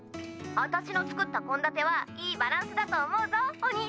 あたしの作った献立はいいバランスだと思うぞお兄さん！